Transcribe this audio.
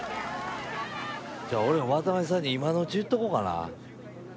じゃあ俺も渡邊さんに今のうち言っとこうかな。